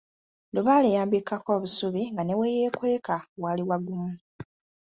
Lubaale yambikkako obusubi, nga ne we yeekweka waali wagumu.